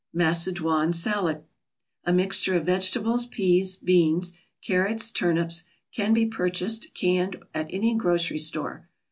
MACEDOINE SALAD A mixture of vegetables, peas, beans, carrots, turnips, can be purchased, canned, at any grocery store.